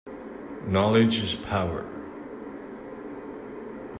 Knowledge is power